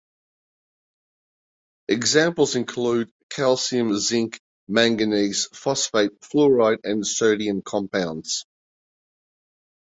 Examples include calcium, zinc, manganese, phosphate, fluoride and sodium compounds.